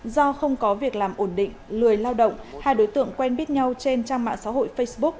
do không có việc làm ổn định lười lao động hai đối tượng quen biết nhau trên trang mạng xã hội facebook